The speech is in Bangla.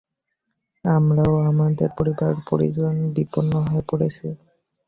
আমরা ও আমাদের পরিবার-পরিজন বিপন্ন হয়ে পড়েছি।